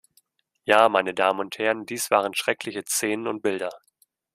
Ja, meine Damen und Herren, dies waren schreckliche Szenen und Bilder.